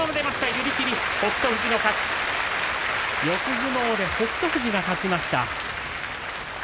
相撲で北勝富士が勝ちました。